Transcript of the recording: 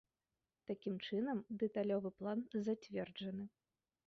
Такім чынам, дэталёвы план зацверджаны.